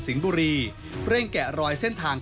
บุรีเร่งแกะรอยเส้นทาง